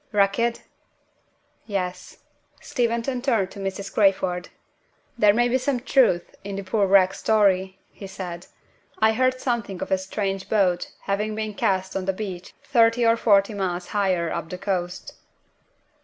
"Wrecked?" "Yes." Steventon turned to Mrs. Crayford. "There may be some truth in the poor wretch's story," he said. "I heard something of a strange boat having been cast on the beach thirty or forty miles higher up the coast.